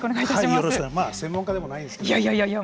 まあ専門家でもないんですけど。